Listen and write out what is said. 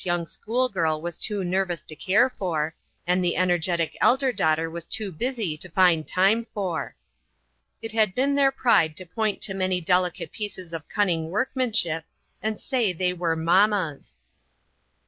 young schoolgirl was too nervous to care for, and the energetic elder daughter was too busy to find time for. It had been their pride to point to many delicate pieces of cunning workmanship, and say they were " mamma's."